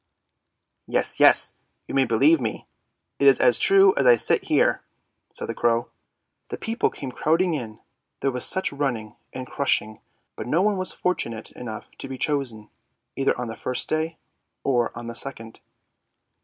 Yes, yes, you may believe me, it's as true as I sit here," said the crow. " The people came crowding in; there was such running, and crushing, but no one was fortunate enough to be chosen, either on the first day, or on the second.